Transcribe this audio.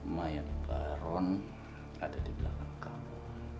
mayat baron ada di belakang kamu